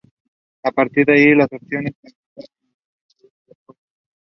It was left unfinished due to lack of resources.